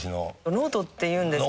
ノートっていうんですかね。